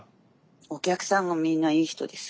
お客さんがみんないい人です。